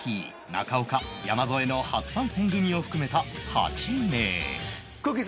中岡山添の初参戦組を含めた８名くっきー！